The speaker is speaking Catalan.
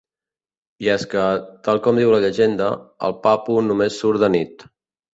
I és que, tal com diu la llegenda, el Papu només surt de nit.